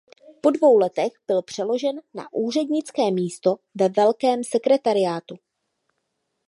Po dvou letech byl přeložen na úřednické místo ve velkém sekretariátu.